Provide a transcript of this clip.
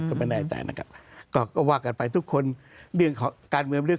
ก็ไม่แน่ใจนะครับก็ก็ว่ากันไปทุกคนเรื่องของการเมืองเรื่อง